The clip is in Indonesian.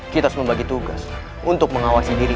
kita harus membagi tugas untuk mengawasi diri